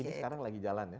ini sekarang lagi jalan ya